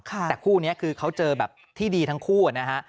แต่คู่นี้คือเขาเจอแบบที่ดีทั้งคู่นะฮะ